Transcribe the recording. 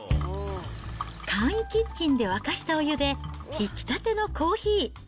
簡易キッチンで沸かしたお湯で、ひきたてのコーヒー。